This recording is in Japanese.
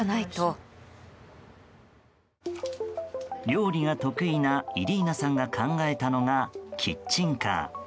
料理が得意なイリーナさんが考えたのが、キッチンカー。